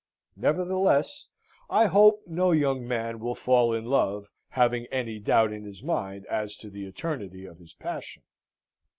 Nevertheless, I hope no young man will fall in love, having any doubt in his mind as to the eternity of his passion.